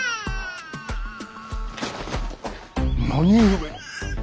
・何故？